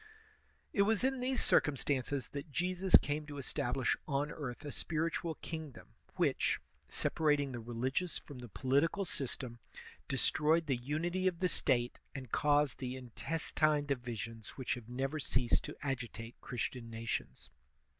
It was in these circumstances that Jesus came to estab lish on earth a spiritual kingdom, which, separating the religious from the political system, destroyed the unity of the State, and caused the intestine divisions whiclx have never ceased to agitate Christian nations.